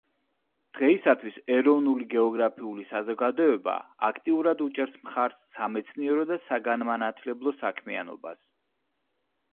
დღეისათვის ეროვნული გეოგრაფიული საზოგადოება აქტიურად უჭერს მხარს სამეცნიერო და საგანმანათლებლო საქმიანობას.